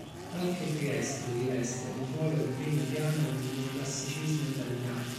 Anche Trieste riveste un ruolo di primo piano nel Neoclassicismo italiano.